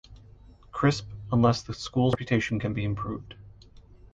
Crisp, unless the school's reputation can be improved.